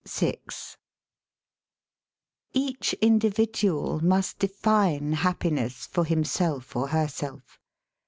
^ Each individual must define happiness for him self or herself.